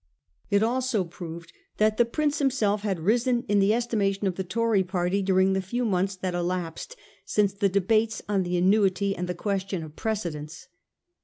It also proved that the Prince him 1840. THE PRINCE NOT POPULAR. 153 self had risen in the estimation of the Tory party during the few months that elapsed since the debates on the annuity and the question of precedence.